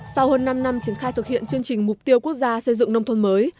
sau hơn năm năm triển khai thực hiện chương trình mục tiêu quốc gia xây dựng nông thôn mới